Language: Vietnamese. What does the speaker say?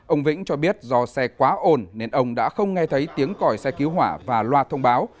ông vĩnh cho biết do xe quá ồn nên ông đã không nghe thấy tiếng còi xe cứu hỏa và loạt thông báo